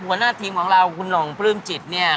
หัวหน้าทีมของเราคุณหน่องปลื้มจิตเนี่ย